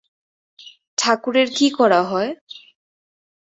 ঠাকুরের কী করা হয়?